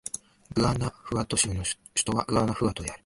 グアナフアト州の州都はグアナフアトである